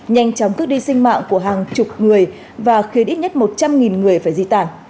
nhanh chóng cướp đi sinh mạng của hàng chục người và khiến ít nhất một trăm linh người phải di tản